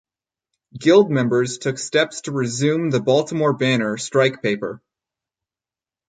Guild members took steps to resume the "Baltimore Banner" strike paper.